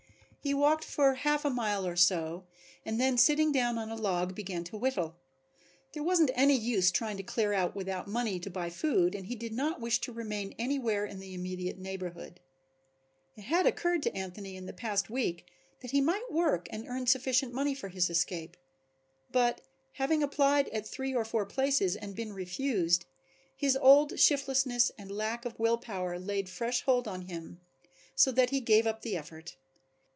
He walked for half a mile or so and then sitting down on a log began to whittle. There wasn't any use trying to clear out without money to buy food and he did not wish to remain anywhere in the immediate neighborhood. It had occurred to Anthony in the past week that he might work and earn sufficient money for his escape, but having applied at three or four places and been refused, his old shiftlessness and lack of will power laid fresh hold on him so that he gave up the effort.